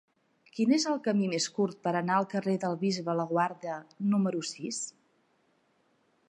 Quin és el camí més curt per anar al carrer del Bisbe Laguarda número sis?